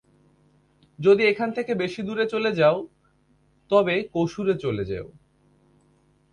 যদি এখান থেকে বেশি দূরে চলে যাও, তবে কসুরে চলে যেও।